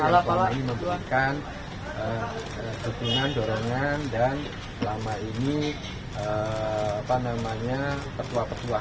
selama ini memberikan dukungan dorongan dan selama ini ketua petua